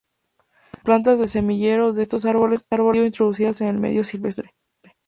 Las plantas de semillero de estos árboles han sido introducidas en el medio silvestre.